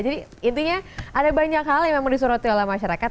jadi intinya ada banyak hal yang memang disuruh tiola masyarakat